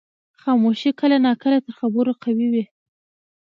خاموشي کله ناکله تر خبرو قوي وي.